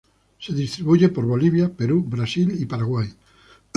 Se distribuye por Bolivia, Perú, Brasil y Paraguay.